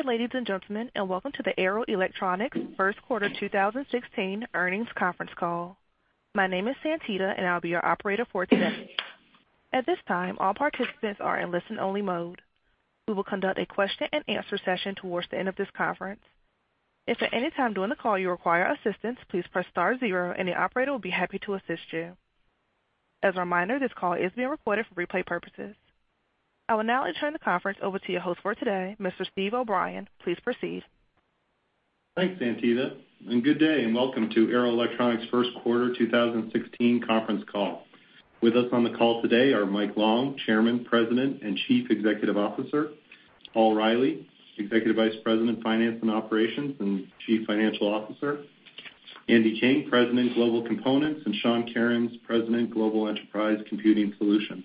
Good day, ladies and gentlemen, and welcome to the Arrow Electronics first quarter 2016 earnings conference call. My name is Santita, and I'll be your operator for today. At this time, all participants are in listen-only mode. We will conduct a question-and-answer session towards the end of this conference. If at any time during the call you require assistance, please press star zero, and the operator will be happy to assist you. As a reminder, this call is being recorded for replay purposes. I will now turn the conference over to your host for today, Mr. Steve O'Brien. Please proceed. Thanks, Santita. Good day, and welcome to Arrow Electronics first quarter 2016 conference call. With us on the call today are Mike Long, Chairman, President, and Chief Executive Officer; Paul Reilly, Executive Vice President, Finance and Operations and Chief Financial Officer; Andy King, President, Global Components; and Sean Kerins, President, Global Enterprise Computing Solutions.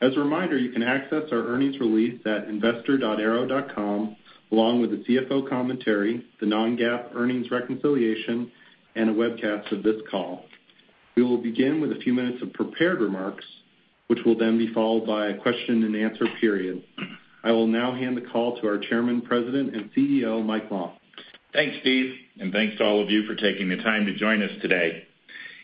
As a reminder, you can access our earnings release at investor.arrow.com, along with the CFO commentary, the non-GAAP earnings reconciliation, and a webcast of this call. We will begin with a few minutes of prepared remarks, which will then be followed by a question-and-answer period. I will now hand the call to our Chairman, President, and CEO, Mike Long. Thanks, Steve, and thanks to all of you for taking the time to join us today.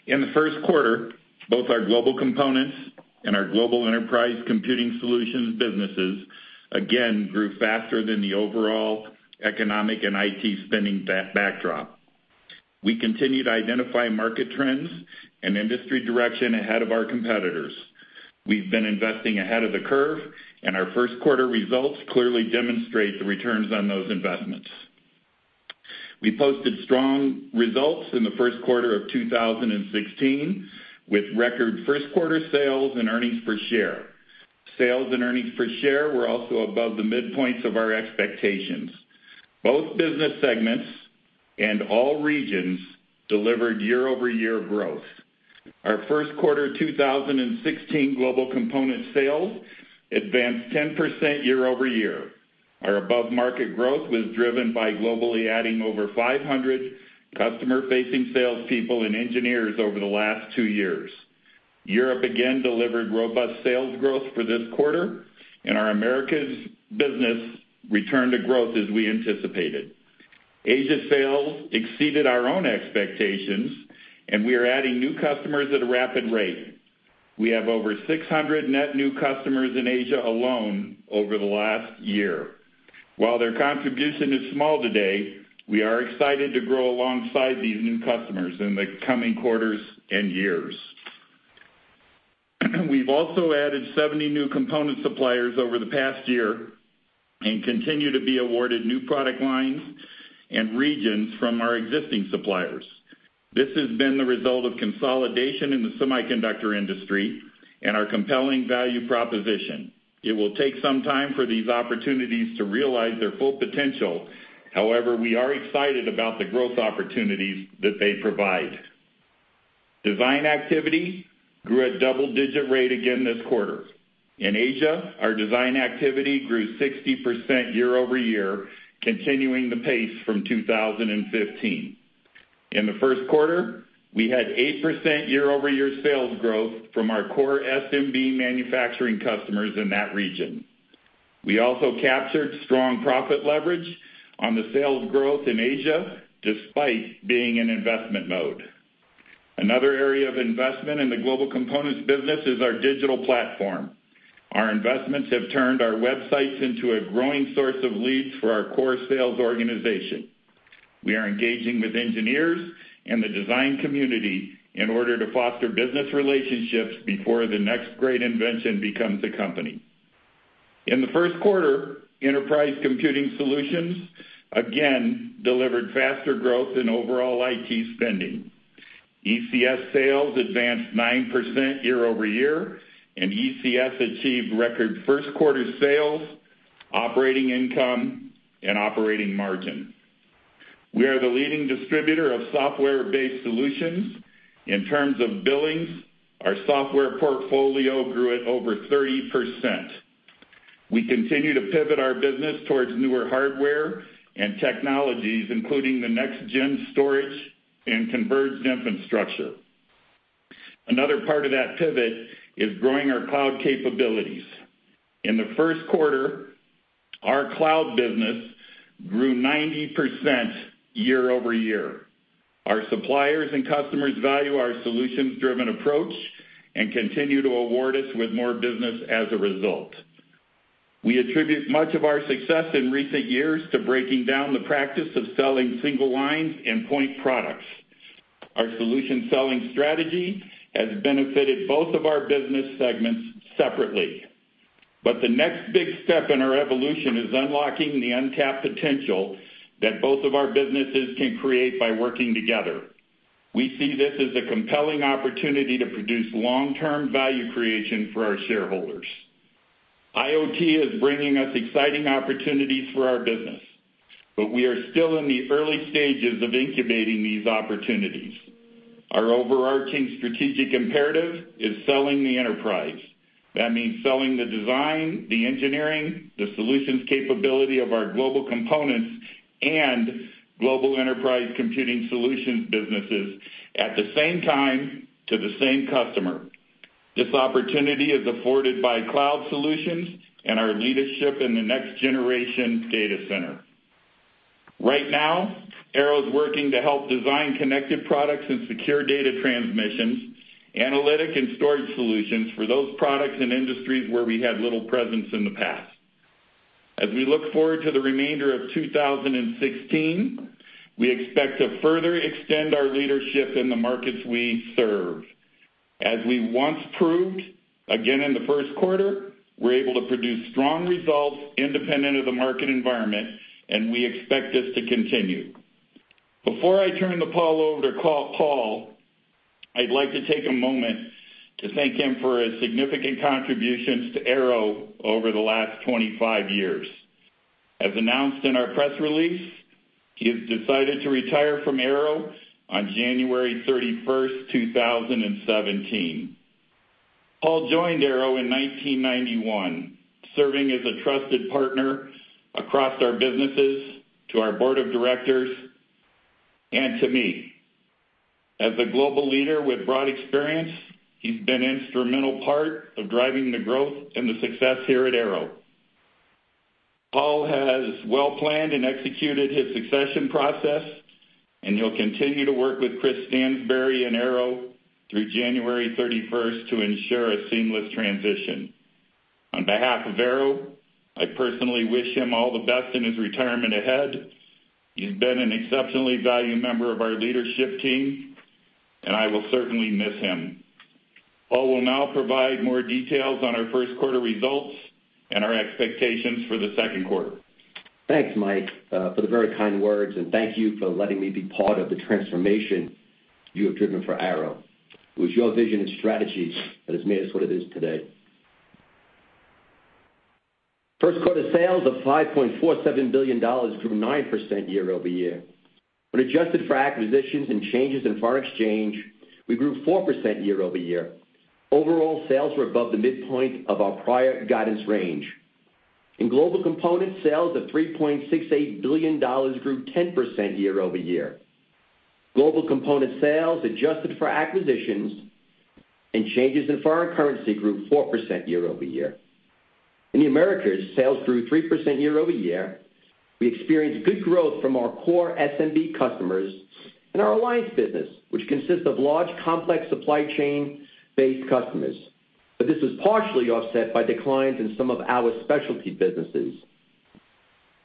In the first quarter, both our Global Components and our Global Enterprise Computing Solutions businesses again grew faster than the overall economic and IT spending backdrop. We continued to identify market trends and industry direction ahead of our competitors. We've been investing ahead of the curve, and our first quarter results clearly demonstrate the returns on those investments. We posted strong results in the first quarter of 2016 with record first quarter sales and earnings per share. Sales and earnings per share were also above the midpoints of our expectations. Both business segments and all regions delivered year-over-year growth. Our first quarter 2016 Global Components sales advanced 10% year-over-year. Our above-market growth was driven by globally adding over 500 customer-facing salespeople and engineers over the last two years. Europe again delivered robust sales growth for this quarter, and our Americas business returned to growth as we anticipated. Asia's sales exceeded our own expectations, and we are adding new customers at a rapid rate. We have over 600 net new customers in Asia alone over the last year. While their contribution is small today, we are excited to grow alongside these new customers in the coming quarters and years. We've also added 70 new component suppliers over the past year and continue to be awarded new product lines and regions from our existing suppliers. This has been the result of consolidation in the semiconductor industry and our compelling value proposition. It will take some time for these opportunities to realize their full potential. However, we are excited about the growth opportunities that they provide. Design activity grew at double-digit rate again this quarter. In Asia, our design activity grew 60% year-over-year, continuing the pace from 2015. In the first quarter, we had 8% year-over-year sales growth from our core SMB manufacturing customers in that region. We also captured strong profit leverage on the sales growth in Asia despite being in investment mode. Another area of investment in the Global Components business is our digital platform. Our investments have turned our websites into a growing source of leads for our core sales organization. We are engaging with engineers and the design community in order to foster business relationships before the next great invention becomes a company. In the first quarter, Enterprise Computing Solutions again delivered faster growth in overall IT spending. ECS sales advanced 9% year-over-year, and ECS achieved record first quarter sales, operating income, and operating margin. We are the leading distributor of software-based solutions. In terms of billings, our software portfolio grew at over 30%. We continue to pivot our business towards newer hardware and technologies, including the next-gen storage and converged infrastructure. Another part of that pivot is growing our cloud capabilities. In the first quarter, our cloud business grew 90% year-over-year. Our suppliers and customers value our solutions-driven approach and continue to award us with more business as a result. We attribute much of our success in recent years to breaking down the practice of selling single lines and point products. Our solution selling strategy has benefited both of our business segments separately. But the next big step in our evolution is unlocking the untapped potential that both of our businesses can create by working together. We see this as a compelling opportunity to produce long-term value creation for our shareholders. IoT is bringing us exciting opportunities for our business, but we are still in the early stages of incubating these opportunities. Our overarching strategic imperative is selling the enterprise. That means selling the design, the engineering, the solutions capability of our Global Components and Global Enterprise Computing Solutions businesses at the same time to the same customer. This opportunity is afforded by cloud solutions and our leadership in the next-generation data center. Right now, Arrow is working to help design connected products and secure data transmissions, analytics, and storage solutions for those products and industries where we had little presence in the past. As we look forward to the remainder of 2016, we expect to further extend our leadership in the markets we serve. As we once proved, again in the first quarter, we're able to produce strong results independent of the market environment, and we expect this to continue. Before I turn the call over to Paul, I'd like to take a moment to thank him for his significant contributions to Arrow over the last 25 years. As announced in our press release, he has decided to retire from Arrow on January 31st, 2017. Paul joined Arrow in 1991, serving as a trusted partner across our businesses to our board of directors and to me. As a global leader with broad experience, he's been an instrumental part of driving the growth and the success here at Arrow. Paul has well planned and executed his succession process, and he'll continue to work with Chris Stansbury and Arrow through January 31st to ensure a seamless transition. On behalf of Arrow, I personally wish him all the best in his retirement ahead. He's been an exceptionally valued member of our leadership team, and I will certainly miss him. Paul will now provide more details on our first quarter results and our expectations for the second quarter. Thanks, Mike, for the very kind words, and thank you for letting me be part of the transformation you have driven for Arrow. It was your vision and strategy that has made us what it is today. First quarter sales of $5.47 billion grew 9% year-over-year. When adjusted for acquisitions and changes in foreign exchange, we grew 4% year-over-year. Overall, sales were above the midpoint of our prior guidance range. In Global Components, sales of $3.68 billion grew 10% year-over-year. Global Components sales adjusted for acquisitions and changes in foreign currency grew 4% year-over-year. In the Americas, sales grew 3% year-over-year. We experienced good growth from our core SMB customers and our alliance business, which consists of large, complex supply chain-based customers. But this was partially offset by declines in some of our specialty businesses.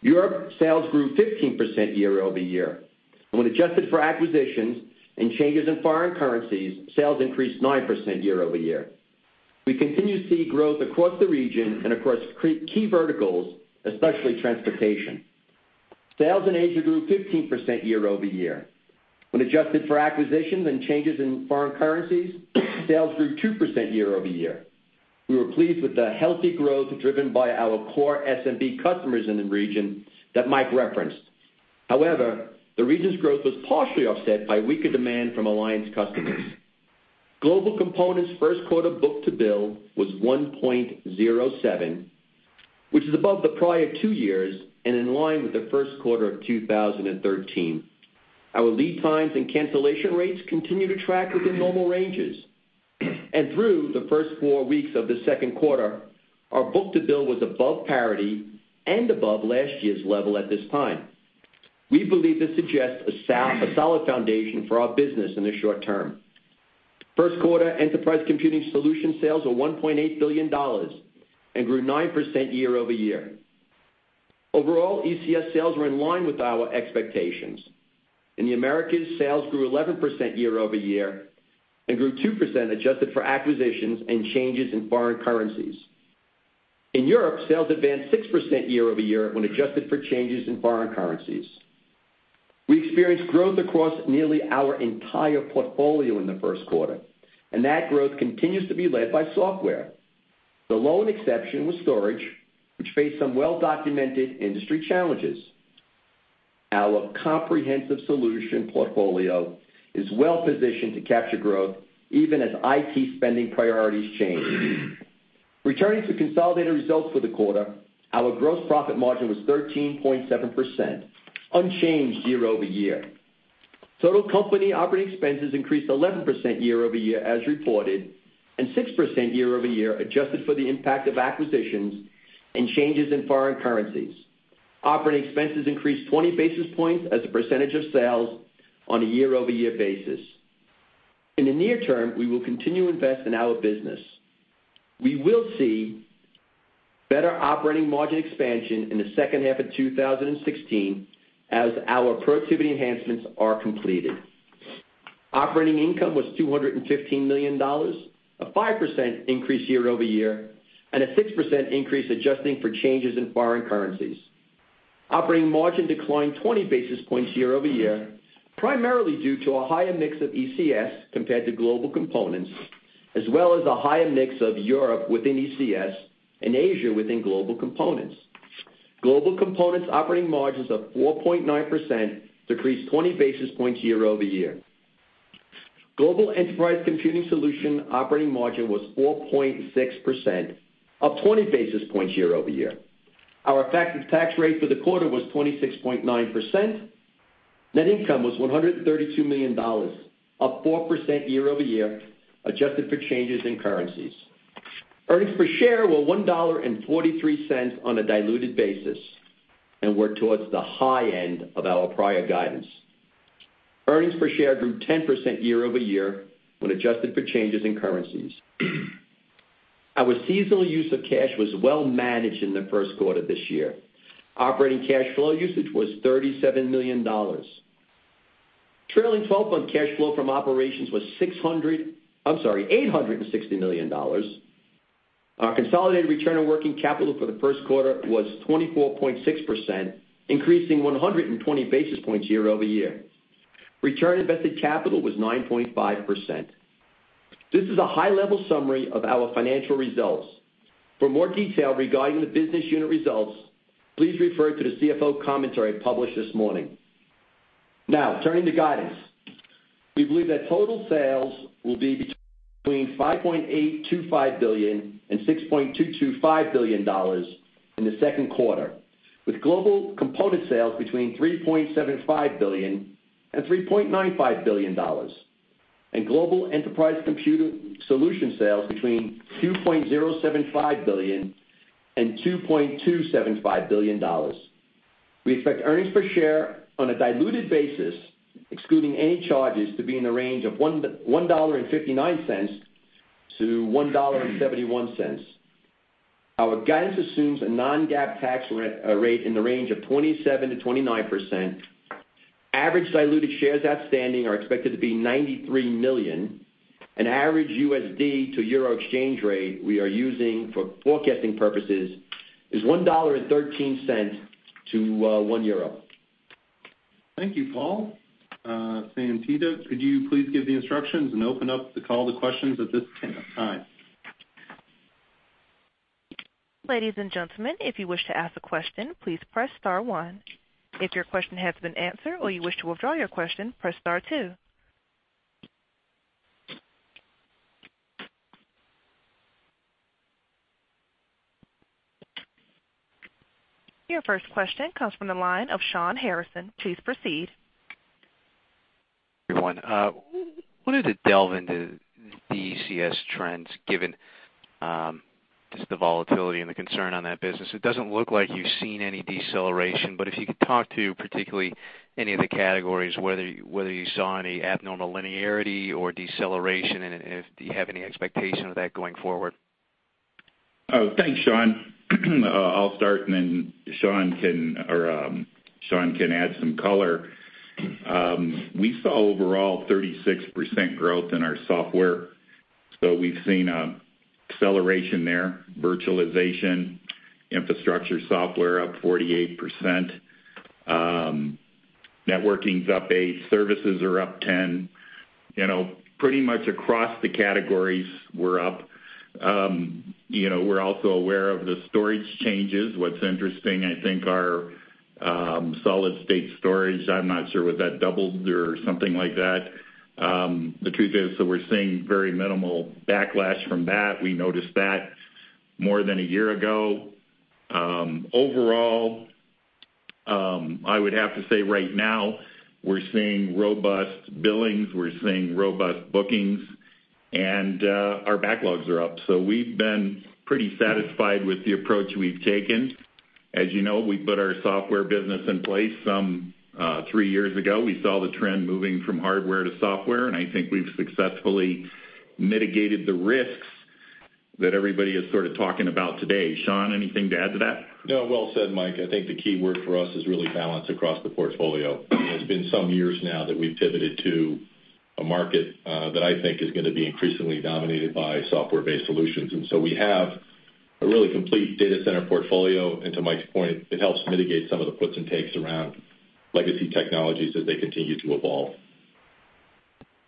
Europe sales grew 15% year-over-year. When adjusted for acquisitions and changes in foreign currencies, sales increased 9% year-over-year. We continue to see growth across the region and across key verticals, especially transportation. Sales in Asia grew 15% year-over-year. When adjusted for acquisitions and changes in foreign currencies, sales grew 2% year-over-year. We were pleased with the healthy growth driven by our core SMB customers in the region that Mike referenced. However, the region's growth was partially offset by weaker demand from alliance customers. Global Components' first quarter book-to-bill was 1.07, which is above the prior two years and in line with the first quarter of 2013. Our lead times and cancellation rates continue to track within normal ranges. Through the first four weeks of the second quarter, our book-to-bill was above parity and above last year's level at this time. We believe this suggests a solid foundation for our business in the short term. First quarter Enterprise Computing Solutions sales were $1.8 billion and grew 9% year-over-year. Overall, ECS sales were in line with our expectations. In the Americas, sales grew 11% year-over-year and grew 2% adjusted for acquisitions and changes in foreign currencies. In Europe, sales advanced 6% year-over-year when adjusted for changes in foreign currencies. We experienced growth across nearly our entire portfolio in the first quarter, and that growth continues to be led by software. The lone exception was storage, which faced some well-documented industry challenges. Our comprehensive solution portfolio is well-positioned to capture growth even as IT spending priorities change. Returning to consolidated results for the quarter, our gross profit margin was 13.7%, unchanged year-over-year. Total company operating expenses increased 11% year-over-year as reported and 6% year-over-year adjusted for the impact of acquisitions and changes in foreign currencies. Operating expenses increased 20 basis points as a percentage of sales on a year-over-year basis. In the near term, we will continue to invest in our business. We will see better operating margin expansion in the second half of 2016 as our productivity enhancements are completed. Operating income was $215 million, a 5% increase year-over-year, and a 6% increase adjusting for changes in foreign currencies. Operating margin declined 20 basis points year-over-year, primarily due to a higher mix of ECS compared to Global Components, as well as a higher mix of Europe within ECS and Asia within Global Components. Global Components' operating margins of 4.9% decreased 20 basis points year-over-year. Global Enterprise Computing Solutions' operating margin was 4.6%, up 20 basis points year-over-year. Our effective tax rate for the quarter was 26.9%. Net income was $132 million, up 4% year-over-year adjusted for changes in currencies. Earnings per share were $1.43 on a diluted basis and were towards the high end of our prior guidance. Earnings per share grew 10% year-over-year when adjusted for changes in currencies. Our seasonal use of cash was well-managed in the first quarter of this year. Operating cash flow usage was $37 million. Trailing 12-month cash flow from operations was $860 million. Our consolidated return on working capital for the first quarter was 24.6%, increasing 120 basis points year-over-year. Return on invested capital was 9.5%. This is a high-level summary of our financial results. For more detail regarding the business unit results, please refer to the CFO commentary published this morning. Now, turning to guidance, we believe that total sales will be between $5.825 billion and $6.225 billion in the second quarter, with Global Components sales between $3.75 billion and $3.95 billion, and Global Enterprise Computing Solutions sales between $2.075 billion and $2.275 billion. We expect earnings per share on a diluted basis, excluding any charges, to be in the range of $1.59-$1.71. Our guidance assumes a non-GAAP tax rate in the range of 27%-29%. Average diluted shares outstanding are expected to be 93 million. An average USD to euro exchange rate we are using for forecasting purposes is $1.13 to 1 euro. Thank you, Paul. Santita, could you please give the instructions and open up the call to questions at this time? Ladies and gentlemen, if you wish to ask a question, please press star one. If your question has been answered or you wish to withdraw your question, press star two. Your first question comes from the line of Shawn Harrison. Please proceed. Everyone, I wanted to delve into the ECS trends given just the volatility and the concern on that business. It doesn't look like you've seen any deceleration, but if you could talk to particularly any of the categories, whether you saw any abnormal linearity or deceleration, and if you have any expectation of that going forward. Oh, thanks, Shawn. I'll start, and then Sean can add some color. We saw overall 36% growth in our software, so we've seen acceleration there. Virtualization, infrastructure software up 48%. Networking's up 8%. Services are up 10%. Pretty much across the categories, we're up. We're also aware of the storage changes. What's interesting, I think, are solid-state storage. I'm not sure what that doubled or something like that. The truth is, we're seeing very minimal backlash from that. We noticed that more than a year ago. Overall, I would have to say right now, we're seeing robust billings. We're seeing robust bookings, and our backlogs are up. So we've been pretty satisfied with the approach we've taken. As you know, we put our software business in place some three years ago. We saw the trend moving from hardware to software, and I think we've successfully mitigated the risks that everybody is sort of talking about today. Sean, anything to add to that? No, well said, Mike. I think the key word for us is really balance across the portfolio. It's been some years now that we've pivoted to a market that I think is going to be increasingly dominated by software-based solutions. And so we have a really complete data center portfolio. And to Mike's point, it helps mitigate some of the puts and takes around legacy technologies as they continue to evolve.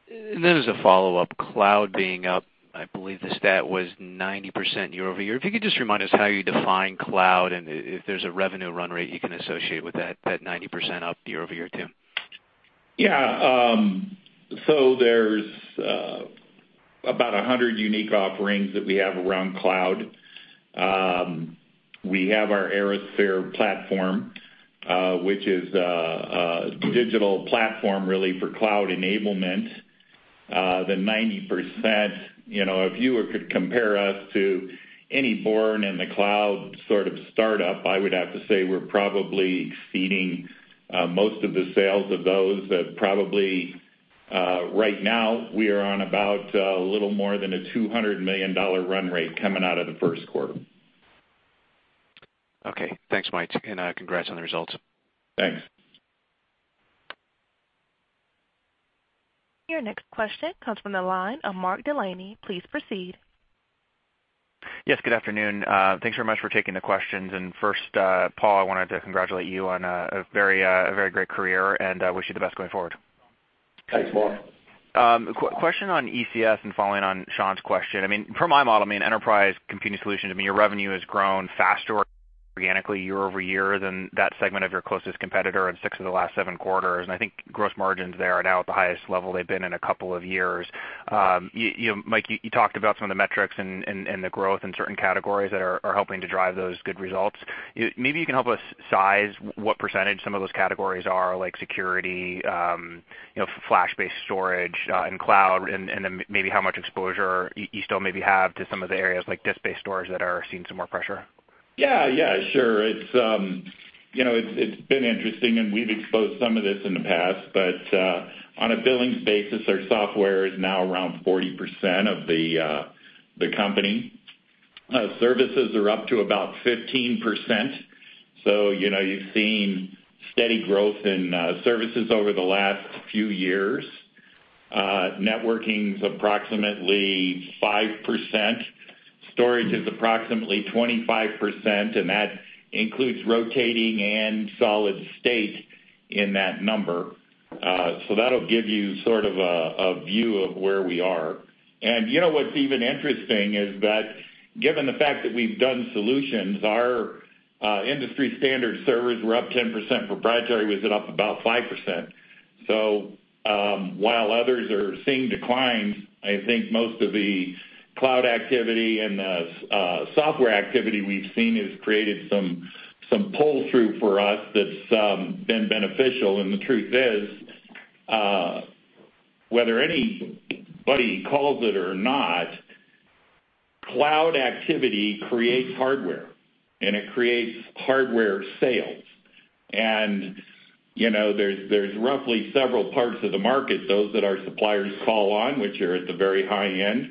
And then as a follow-up, cloud being up, I believe the stat was 90% year-over-year. If you could just remind us how you define cloud and if there's a revenue run rate you can associate with that 90% up year-over-year too? Yeah. So there's about 100 unique offerings that we have around cloud. We have our ArrowSphere platform, which is a digital platform really for cloud enablement. The 90%, if you could compare us to any born-in-the-cloud sort of startup, I would have to say we're probably exceeding most of the sales of those. Probably right now, we are on about a little more than a $200 million run rate coming out of the first quarter. Okay. Thanks, Mike. Congrats on the results. Thanks. Your next question comes from the line of Mark Delaney. Please proceed. Yes, good afternoon. Thanks very much for taking the questions. First, Paul, I wanted to congratulate you on a very great career and wish you the best going forward. Thanks, Mark. Question on ECS, following on Shawn's question. I mean, per my model, I mean, Enterprise Computing Solutions, I mean, your revenue has grown faster organically year-over-year than that segment of your closest competitor in six of the last seven quarters. I think gross margins there are now at the highest level they've been in a couple of years. Mike, you talked about some of the metrics and the growth in certain categories that are helping to drive those good results. Maybe you can help us size what percentage some of those categories are, like security, flash-based storage, and cloud, and then maybe how much exposure you still maybe have to some of the areas like disk-based storage that are seeing some more pressure. Yeah, yeah, sure. It's been interesting, and we've exposed some of this in the past. But on a billing basis, our software is now around 40% of the company. Services are up to about 15%. So you've seen steady growth in services over the last few years. Networking's approximately 5%. Storage is approximately 25%, and that includes rotating and solid-state in that number. So that'll give you sort of a view of where we are. And you know what's even interesting is that given the fact that we've done solutions, our industry standard servers were up 10%. Proprietary was up about 5%. So while others are seeing declines, I think most of the cloud activity and the software activity we've seen has created some pull-through for us that's been beneficial. And the truth is, whether anybody calls it or not, cloud activity creates hardware, and it creates hardware sales. There's roughly several parts of the market, those that our suppliers call on, which are at the very high end, and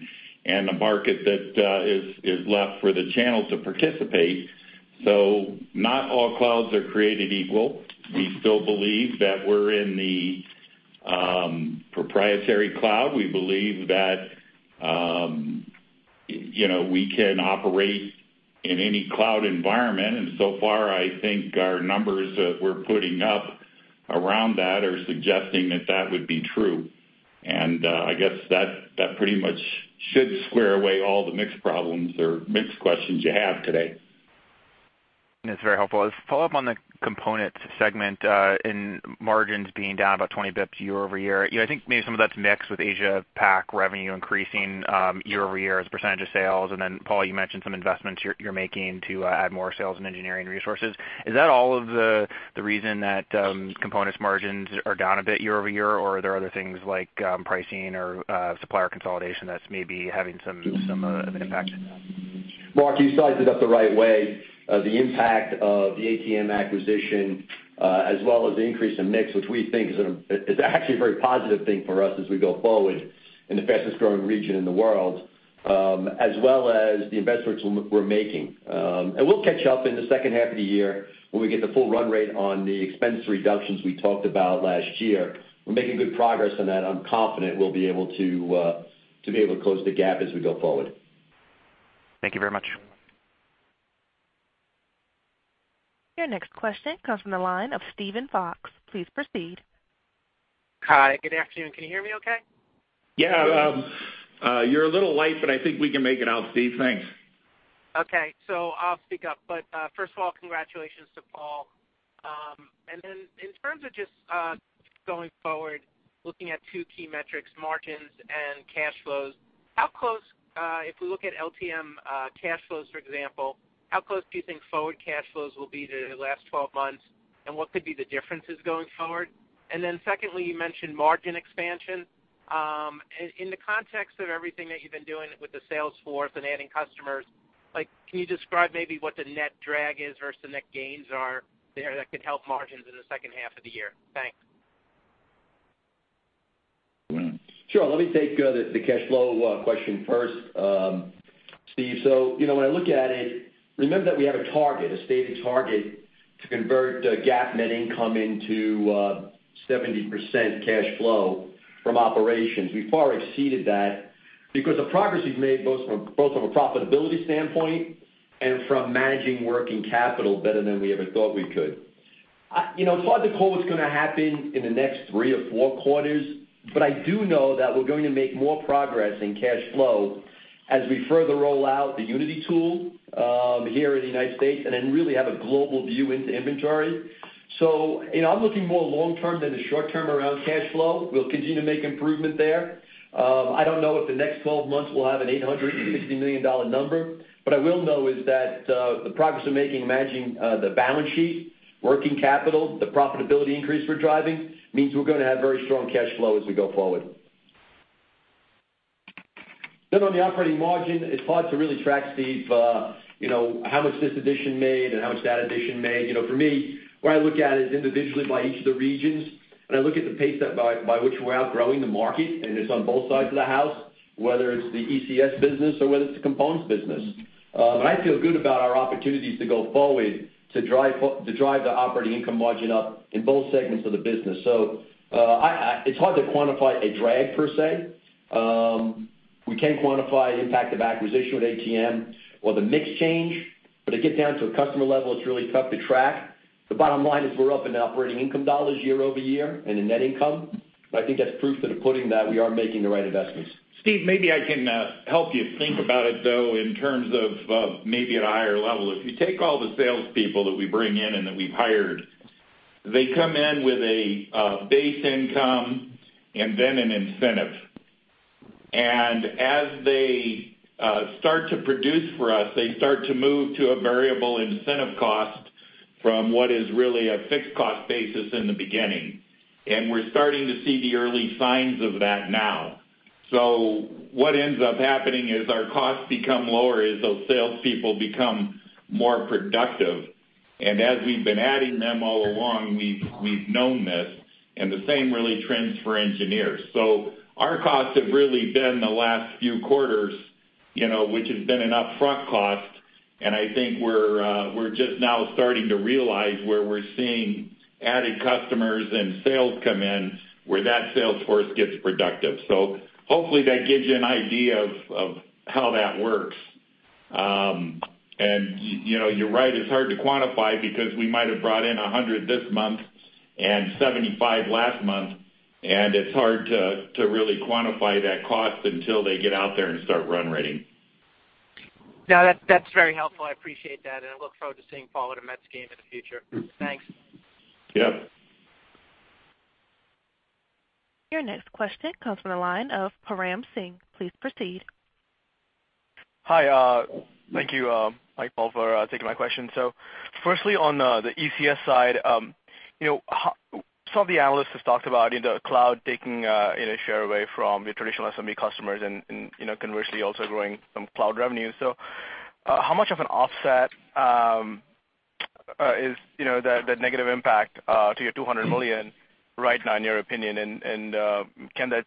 the market that is left for the channel to participate. Not all clouds are created equal. We still believe that we're in the proprietary cloud. We believe that we can operate in any cloud environment. So far, I think our numbers that we're putting up around that are suggesting that that would be true. I guess that pretty much should square away all the mixed problems or mixed questions you have today. That's very helpful. Follow-up on the component segment and margins being down about 20 basis points year-over-year. I think maybe some of that's mixed with Asia-Pac revenue increasing year-over-year as a percentage of sales. And then, Paul, you mentioned some investments you're making to add more sales and engineering resources. Is that all of the reason that components' margins are down a bit year-over-year, or are there other things like pricing or supplier consolidation that's maybe having some impact? Mark, you sized it up the right way. The impact of the ATM acquisition, as well as the increase in mix, which we think is actually a very positive thing for us as we go forward in the fastest-growing region in the world, as well as the investments we're making. And we'll catch up in the second half of the year when we get the full run rate on the expense reductions we talked about last year. We're making good progress on that. I'm confident we'll be able to close the gap as we go forward. Thank you very much. Your next question comes from the line of Steven Fox. Please proceed. Hi. Good afternoon. Can you hear me okay? Yeah. You're a little light, but I think we can make it out, Steve. Thanks. Okay. So I'll speak up. But first of all, congratulations to Paul. And then in terms of just going forward, looking at two key metrics, margins and cash flows, how close, if we look at LTM cash flows, for example, how close do you think forward cash flows will be to the last 12 months, and what could be the differences going forward? And then secondly, you mentioned margin expansion. In the context of everything that you've been doing with the sales force and adding customers, can you describe maybe what the net drag is versus the net gains are there that could help margins in the second half of the year? Thanks. Sure. Let me take the cash flow question first, Steve. So when I look at it, remember that we have a target, a stated target, to convert GAAP net income into 70% cash flow from operations. We've far exceeded that because of progress we've made both from a profitability standpoint and from managing working capital better than we ever thought we could. It's hard to call what's going to happen in the next three or four quarters, but I do know that we're going to make more progress in cash flow as we further roll out the Unity tool here in the United States and then really have a global view into inventory. So I'm looking more long-term than the short-term around cash flow. We'll continue to make improvement there. I don't know if the next 12 months we'll have an $860 million number, but I will know is that the progress we're making managing the balance sheet, working capital, the profitability increase we're driving means we're going to have very strong cash flow as we go forward. Then on the operating margin, it's hard to really track, Steve, how much this addition made and how much that addition made. For me, what I look at is individually by each of the regions, and I look at the pace by which we're outgrowing the market, and it's on both sides of the house, whether it's the ECS business or whether it's the components business. But I feel good about our opportunities to go forward to drive the operating income margin up in both segments of the business. So it's hard to quantify a drag per se. We can quantify impact of acquisition with ATM or the mix change, but to get down to a customer level, it's really tough to track. The bottom line is we're up in operating income dollars year-over-year and in net income. But I think that's proof to the pudding that we are making the right investments. Steve, maybe I can help you think about it though in terms of maybe at a higher level. If you take all the salespeople that we bring in and that we've hired, they come in with a base income and then an incentive. And as they start to produce for us, they start to move to a variable incentive cost from what is really a fixed cost basis in the beginning. And we're starting to see the early signs of that now. So what ends up happening is our costs become lower as those salespeople become more productive. And as we've been adding them all along, we've known this, and the same really trends for engineers. So our costs have really been the last few quarters, which has been an upfront cost. And I think we're just now starting to realize where we're seeing added customers and sales come in where that sales force gets productive. So hopefully that gives you an idea of how that works. And you're right, it's hard to quantify because we might have brought in 100 this month and 75 last month, and it's hard to really quantify that cost until they get out there and start run rating. No, that's very helpful. I appreciate that, and I look forward to seeing Paul at a Mets game in the future. Thanks. Yep. Your next question comes from the line of Param Singh. Please proceed. Hi. Thank you, Mike Long, for taking my question. So firstly, on the ECS side, some of the analysts have talked about the cloud taking a share away from your traditional SMB customers and conversely also growing some cloud revenue. So how much of an offset is the negative impact to your $200 million right now, in your opinion? And can that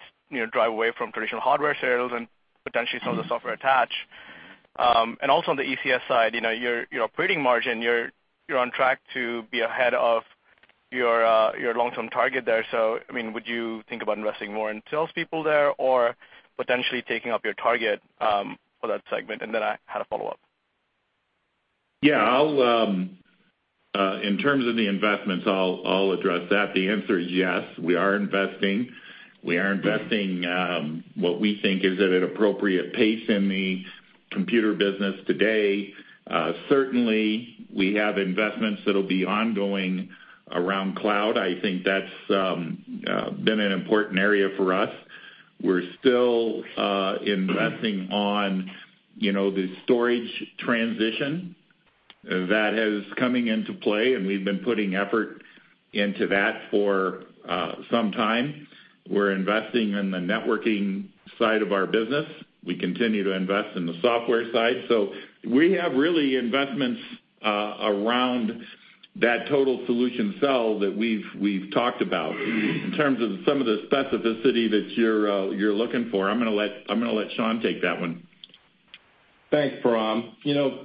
drive away from traditional hardware sales and potentially some of the software attached? And also on the ECS side, your operating margin, you're on track to be ahead of your long-term target there. So I mean, would you think about investing more in salespeople there or potentially taking up your target for that segment? And then I had a follow-up. Yeah. In terms of the investments, I'll address that. The answer is yes. We are investing. We are investing what we think is at an appropriate pace in the computer business today. Certainly, we have investments that will be ongoing around cloud. I think that's been an important area for us. We're still investing on the storage transition that is coming into play, and we've been putting effort into that for some time. We're investing in the networking side of our business. We continue to invest in the software side. So we have really investments around that total solution cell that we've talked about. In terms of some of the specificity that you're looking for, I'm going to let Sean take that one. Thanks, Param.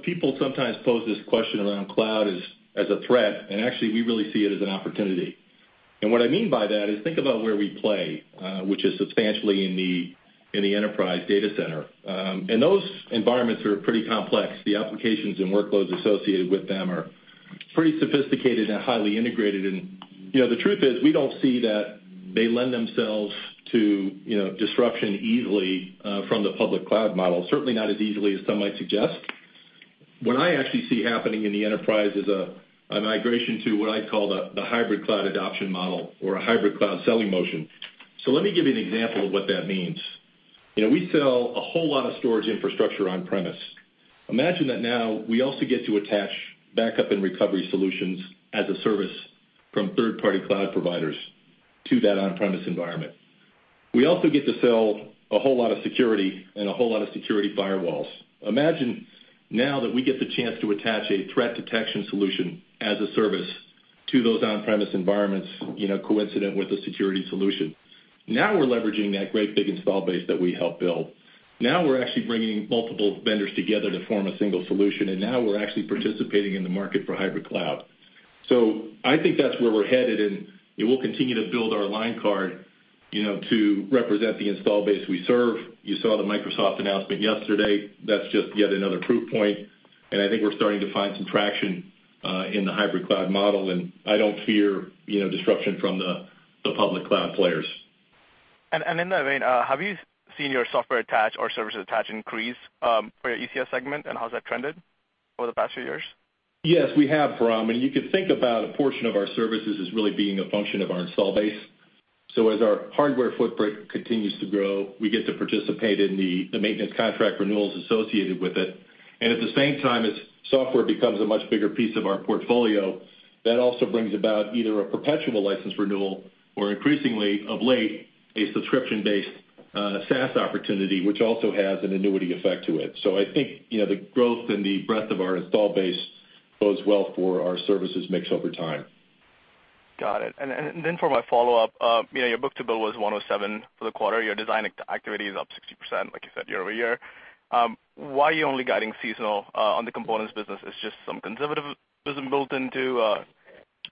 People sometimes pose this question around cloud as a threat, and actually, we really see it as an opportunity. And what I mean by that is think about where we play, which is substantially in the enterprise data center. And those environments are pretty complex. The applications and workloads associated with them are pretty sophisticated and highly integrated. And the truth is, we don't see that they lend themselves to disruption easily from the public cloud model, certainly not as easily as some might suggest. What I actually see happening in the enterprise is a migration to what I'd call the hybrid cloud adoption model or a hybrid cloud selling motion. So let me give you an example of what that means. We sell a whole lot of storage infrastructure on-premise. Imagine that now we also get to attach backup and recovery solutions as a service from third-party cloud providers to that on-premise environment. We also get to sell a whole lot of security and a whole lot of security firewalls. Imagine now that we get the chance to attach a threat detection solution as a service to those on-premise environments, coincident with a security solution. Now we're leveraging that great big install base that we helped build. Now we're actually bringing multiple vendors together to form a single solution, and now we're actually participating in the market for hybrid cloud. So I think that's where we're headed, and we'll continue to build our line card to represent the install base we serve. You saw the Microsoft announcement yesterday. That's just yet another proof point. And I think we're starting to find some traction in the hybrid cloud model, and I don't fear disruption from the public cloud players. In that vein, have you seen your software attach or services attach increase for your ECS segment, and how has that trended over the past few years? Yes, we have, Param. And you could think about a portion of our services as really being a function of our installed base. So as our hardware footprint continues to grow, we get to participate in the maintenance contract renewals associated with it. And at the same time, as software becomes a much bigger piece of our portfolio, that also brings about either a perpetual license renewal or, increasingly of late, a subscription-based SaaS opportunity, which also has an annuity effect to it. So I think the growth and the breadth of our installed base bodes well for our services mix over time. Got it. And then for my follow-up, your book-to-bill was 1.07 for the quarter. Your design activity is up 60%, like you said, year-over-year. Why are you only guiding seasonal on the components business? Is just some conservatism built into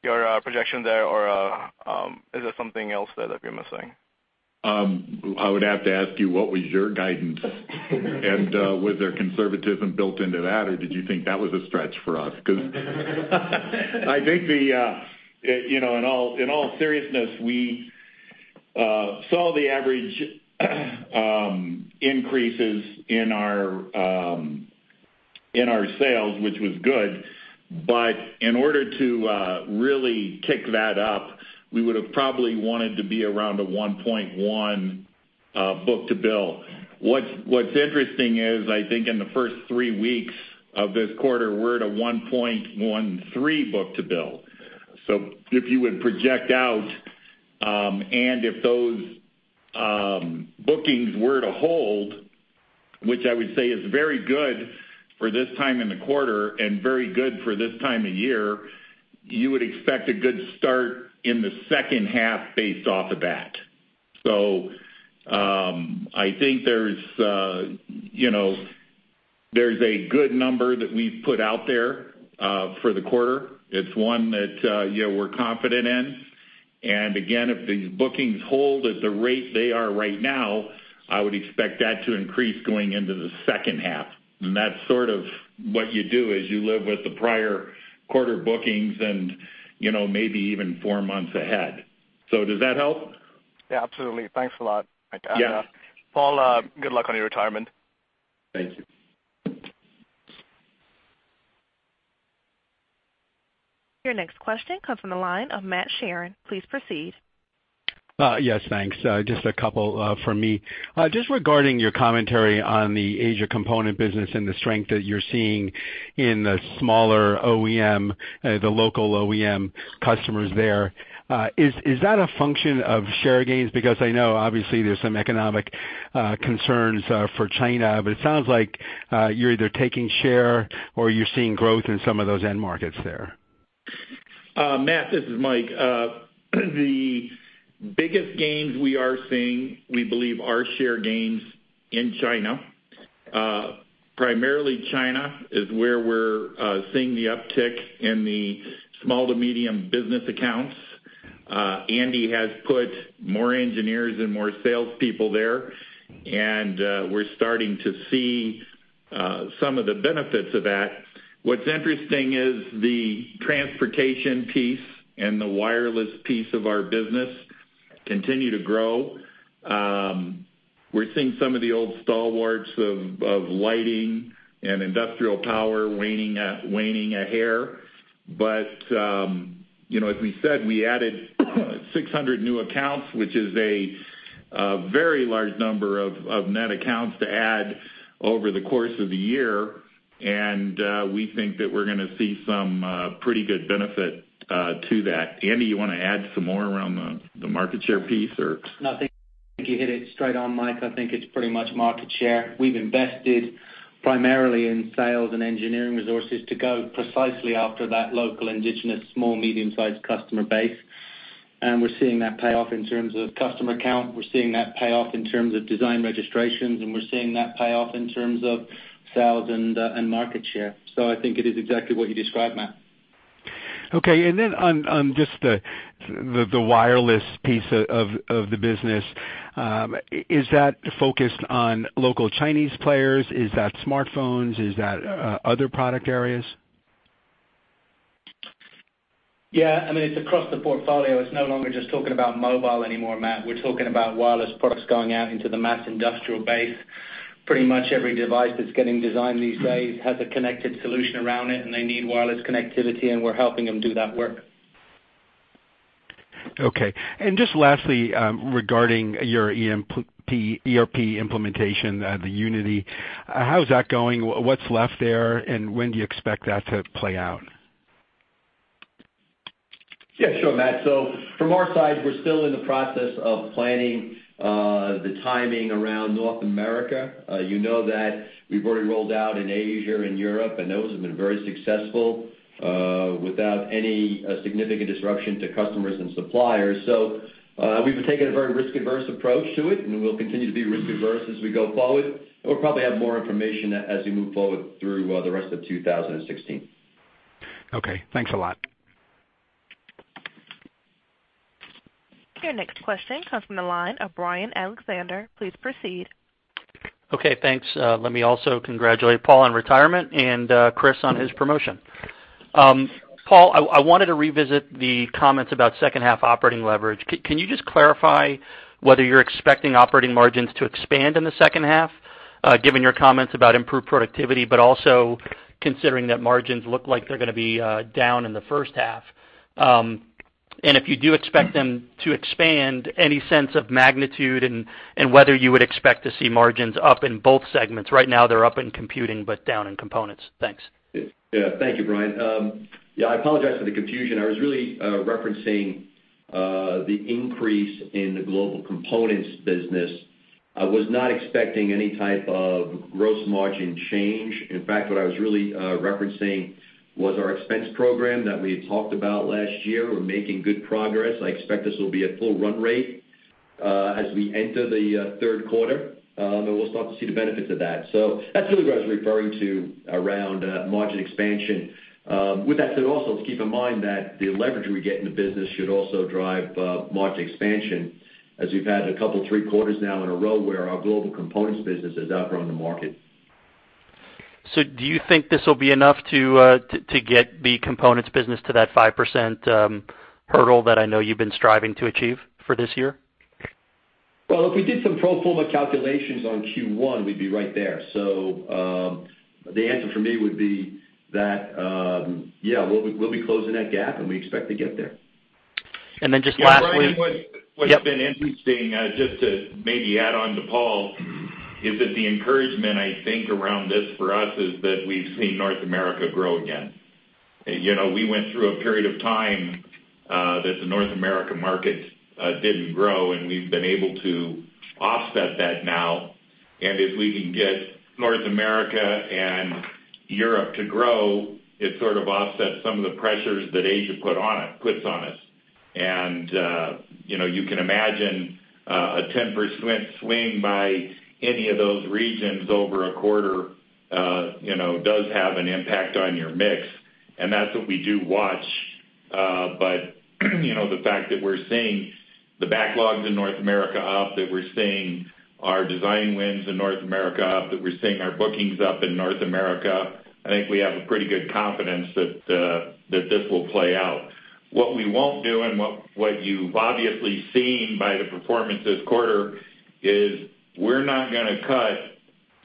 your projection there, or is there something else there that we're missing? I would have to ask you, what was your guidance? And was there conservatism built into that, or did you think that was a stretch for us? Because I think, in all seriousness, we saw the average increases in our sales, which was good. But in order to really kick that up, we would have probably wanted to be around a 1.1 book-to-bill. What's interesting is, I think in the first three weeks of this quarter, we're at a 1.13 book-to-bill. So if you would project out, and if those bookings were to hold, which I would say is very good for this time in the quarter and very good for this time of year, you would expect a good start in the second half based off of that. So I think there's a good number that we've put out there for the quarter. It's one that we're confident in. And again, if these bookings hold at the rate they are right now, I would expect that to increase going into the second half. And that's sort of what you do as you live with the prior quarter bookings and maybe even four months ahead. So does that help? Yeah, absolutely. Thanks a lot. Yeah. Paul, good luck on your retirement. Thank you. Your next question comes from the line of Matt Sheerin. Please proceed. Yes, thanks. Just a couple for me. Just regarding your commentary on the Asia component business and the strength that you're seeing in the smaller OEM, the local OEM customers there, is that a function of share gains? Because I know, obviously, there's some economic concerns for China, but it sounds like you're either taking share or you're seeing growth in some of those end markets there. Matt, this is Mike. The biggest gains we are seeing, we believe, are share gains in China. Primarily, China is where we're seeing the uptick in the small to medium business accounts. Andy has put more engineers and more salespeople there, and we're starting to see some of the benefits of that. What's interesting is the transportation piece and the wireless piece of our business continue to grow. We're seeing some of the old stalwarts of lighting and industrial power waning a hair. But as we said, we added 600 new accounts, which is a very large number of net accounts to add over the course of the year. And we think that we're going to see some pretty good benefit to that. Andy, you want to add some more around the market share piece or? No, I think you hit it straight on, Mike. I think it's pretty much market share. We've invested primarily in sales and engineering resources to go precisely after that local indigenous small, medium-sized customer base. And we're seeing that pay off in terms of customer count. We're seeing that pay off in terms of design registrations, and we're seeing that pay off in terms of sales and market share. So I think it is exactly what you described, Matt. Okay. And then on just the wireless piece of the business, is that focused on local Chinese players? Is that smartphones? Is that other product areas? Yeah. I mean, it's across the portfolio. It's no longer just talking about mobile anymore, Matt. We're talking about wireless products going out into the mass industrial base. Pretty much every device that's getting designed these days has a connected solution around it, and they need wireless connectivity, and we're helping them do that work. Okay. And just lastly, regarding your ERP implementation, the Unity, how's that going? What's left there, and when do you expect that to play out? Yeah, sure, Matt. So from our side, we're still in the process of planning the timing around North America. You know that we've already rolled out in Asia and Europe, and those have been very successful without any significant disruption to customers and suppliers. So we've taken a very risk-averse approach to it, and we'll continue to be risk-averse as we go forward. We'll probably have more information as we move forward through the rest of 2016. Okay. Thanks a lot. Your next question comes from the line of Brian Alexander. Please proceed. Okay. Thanks. Let me also congratulate Paul on retirement and Chris on his promotion. Paul, I wanted to revisit the comments about second-half operating leverage. Can you just clarify whether you're expecting operating margins to expand in the second half, given your comments about improved productivity, but also considering that margins look like they're going to be down in the first half? And if you do expect them to expand, any sense of magnitude and whether you would expect to see margins up in both segments? Right now, they're up in computing, but down in components. Thanks. Yeah. Thank you, Brian. Yeah, I apologize for the confusion. I was really referencing the increase in the Global Components business. I was not expecting any type of gross margin change. In fact, what I was really referencing was our expense program that we had talked about last year. We're making good progress. I expect this will be a full run rate as we enter the third quarter, and we'll start to see the benefits of that. So that's really what I was referring to around margin expansion. With that said also, let's keep in mind that the leverage we get in the business should also drive margin expansion as we've had a couple of three quarters now in a row where our Global Components business has outgrown the market. So do you think this will be enough to get the components business to that 5% hurdle that I know you've been striving to achieve for this year? Well, if we did some pro forma calculations on Q1, we'd be right there. So the answer for me would be that, yeah, we'll be closing that gap, and we expect to get there. And then just lastly. Finally, what's been interesting, just to maybe add on to Paul, is that the encouragement, I think, around this for us is that we've seen North America grow again. We went through a period of time that the North America market didn't grow, and we've been able to offset that now. And as we can get North America and Europe to grow, it sort of offsets some of the pressures that Asia puts on us. And you can imagine a 10% swing by any of those regions over a quarter does have an impact on your mix. And that's what we do watch. But the fact that we're seeing the backlogs in North America up, that we're seeing our design wins in North America up, that we're seeing our bookings up in North America, I think we have a pretty good confidence that this will play out. What we won't do, and what you've obviously seen by the performance this quarter, is we're not going to cut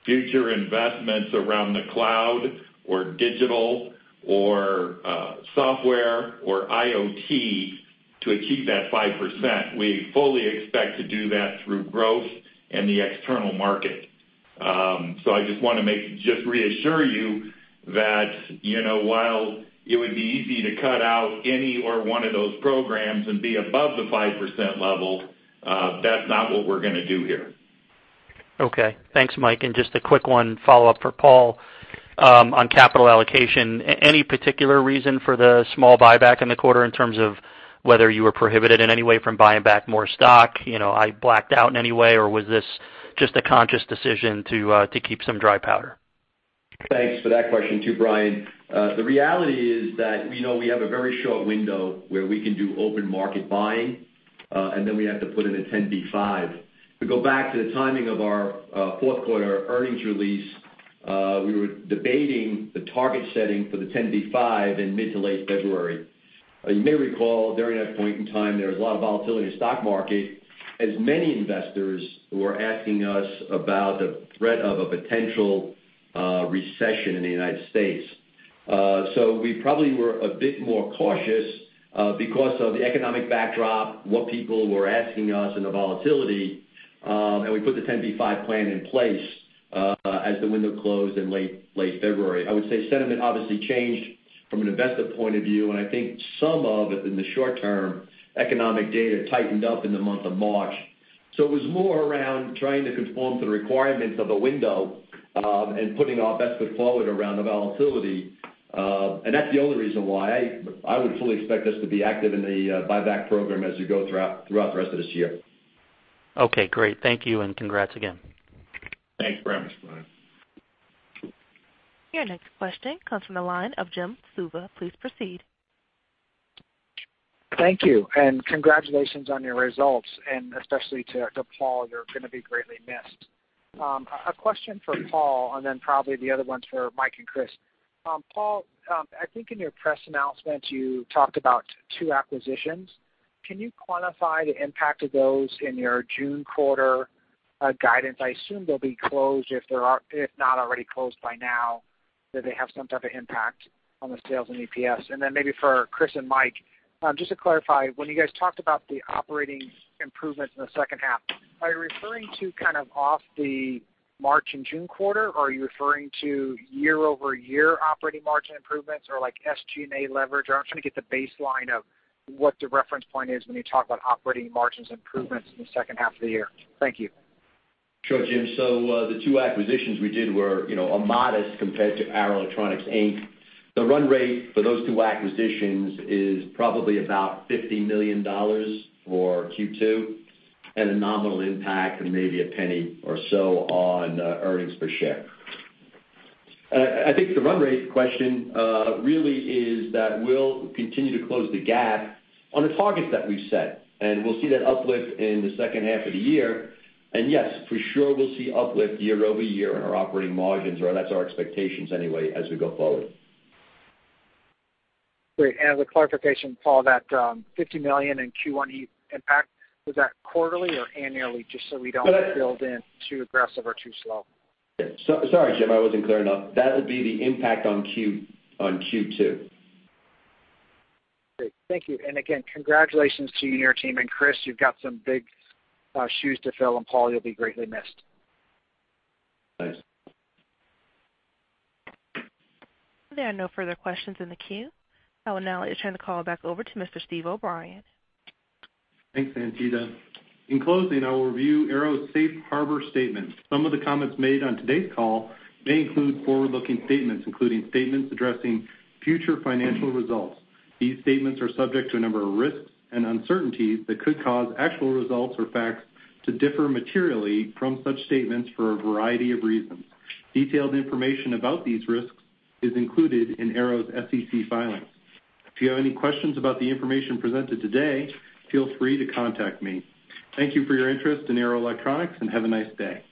future investments around the cloud or digital or software or IoT to achieve that 5%. We fully expect to do that through growth and the external market. So I just want to just reassure you that while it would be easy to cut out any or one of those programs and be above the 5% level, that's not what we're going to do here. Okay. Thanks, Mike. And just a quick one follow-up for Paul on capital allocation. Any particular reason for the small buyback in the quarter in terms of whether you were prohibited in any way from buying back more stock, or were you blacked out in any way, or was this just a conscious decision to keep some dry powder? Thanks for that question too, Brian. The reality is that we know we have a very short window where we can do open market buying, and then we have to put in a 10b5-1. If we go back to the timing of our fourth quarter earnings release, we were debating the target setting for the 10b5-1 in mid to late February. You may recall, during that point in time, there was a lot of volatility in the stock market, as many investors were asking us about the threat of a potential recession in the United States. So we probably were a bit more cautious because of the economic backdrop, what people were asking us, and the volatility. We put the 10b5-1 plan in place as the window closed in late February. I would say sentiment obviously changed from an investor point of view, and I think some of it in the short-term economic data tightened up in the month of March. So it was more around trying to conform to the requirements of the window and putting our best foot forward around the volatility. And that's the only reason why I would fully expect us to be active in the buyback program as we go throughout the rest of this year. Okay. Great. Thank you, and congrats again. Thanks very much, Brian. Your next question comes from the line of Jim Suva. Please proceed. Thank you. Congratulations on your results, and especially to Paul. You're going to be greatly missed. A question for Paul, and then probably the other ones for Mike and Chris. Paul, I think in your press announcement, you talked about two acquisitions. Can you quantify the impact of those in your June quarter guidance? I assume they'll be closed, if not already closed by now, that they have some type of impact on the sales and EPS. And then maybe for Chris and Mike, just to clarify, when you guys talked about the operating improvements in the second half, are you referring to kind of off the March and June quarter, or are you referring to year-over-year operating margin improvements or SG&A leverage? I'm trying to get the baseline of what the reference point is when you talk about operating margins improvements in the second half of the year. Thank you. Sure, Jim. So the two acquisitions we did were a modest compared to Arrow Electronics, Inc. The run rate for those two acquisitions is probably about $50 million for Q2 and a nominal impact of maybe a penny or so on earnings per share. I think the run rate question really is that we'll continue to close the gap on the targets that we've set, and we'll see that uplift in the second half of the year. And yes, for sure, we'll see uplift year-over-year in our operating margins, or that's our expectations anyway as we go forward. Great. And as a clarification, Paul, that $50 million in Q1 impact, was that quarterly or annually, just so we don't build in too aggressive or too slow? Sorry, Jim. I wasn't clear enough. That will be the impact on Q2. Great. Thank you. And again, congratulations to you and your team. And Chris, you've got some big shoes to fill, and Paul, you'll be greatly missed. Thanks. There are no further questions in the queue. I will now turn the call back over to Mr. Steve O'Brien. Thanks, Santita. In closing, I will review Arrow's safe harbor statement. Some of the comments made on today's call may include forward-looking statements, including statements addressing future financial results. These statements are subject to a number of risks and uncertainties that could cause actual results or facts to differ materially from such statements for a variety of reasons. Detailed information about these risks is included in Arrow's SEC filings. If you have any questions about the information presented today, feel free to contact me. Thank you for your interest in Arrow Electronics, and have a nice day.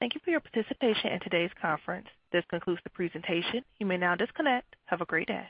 Thank you for your participation in today's conference. This concludes the presentation. You may now disconnect. Have a great day.